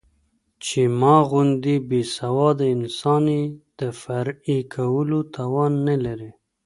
چې ما غوندې بې سواده انسان يې د معرفي کولو توان نه لري.